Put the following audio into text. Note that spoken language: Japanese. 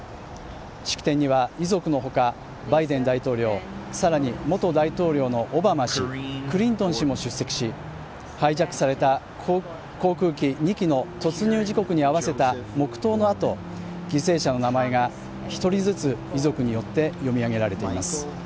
式典には遺族のほか、バイデン大統領更に元大統領のオバマ氏クリントン氏も出席し、ハイジャックされた航空機２機の突入時刻に合わせた黙とうのあと犠牲者の名前が一人ずつ遺族によって読み上げられています。